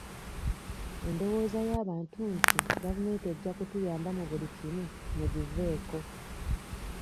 Endowooza y'abantu nti gavumenti ejja kutuyamba mu buli kimu mugiveeko.